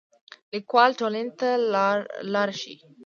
لیکوال ټولنې ته لار ښيي